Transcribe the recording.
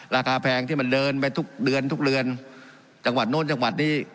แพงที่มันเดินไปทุกเดือนทุกเรือนจังหวัดโน้นจังหวัดนี้